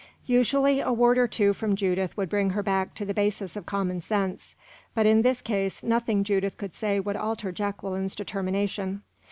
Usually a word or two from Judith would bring her back to the basis of common sense; but in this case, nothing Judith could say would alter Jacqueline's determination.